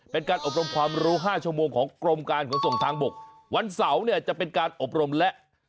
เป็นการอบรมความรู้๕ชั่วโมงของกรมการขนส่งทางบกวันเสาร์เนี่ยจะเป็นการอบรมและ